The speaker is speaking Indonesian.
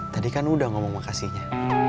tadi kan udah ngomong makasihnya